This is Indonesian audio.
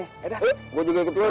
eh dah gua juga kebisa